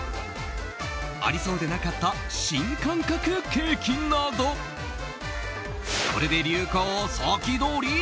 ありそうでなかった新感覚ケーキなどこれで流行を先取り！